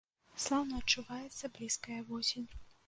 Слаўна адчуваецца блізкая восень.